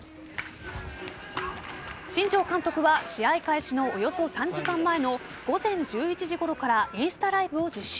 新庄監督は試合開始のおよそ３時間前の午前１１時ごろからインスタライブを実施。